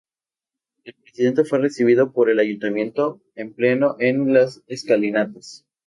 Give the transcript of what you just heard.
El presidente fue recibido por el Ayuntamiento en pleno en las escalinatas.